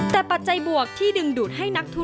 แต่ปัจจัยบวกที่ดึงดูดให้นักทุน